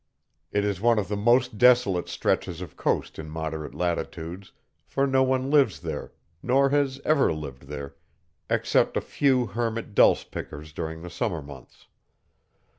It is one of the most desolate stretches of coast in moderate latitudes, for no one lives there, nor has ever lived there, except a few hermit dulce pickers during the summer months.